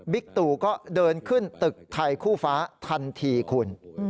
ตู่ก็เดินขึ้นตึกไทยคู่ฟ้าทันทีคุณ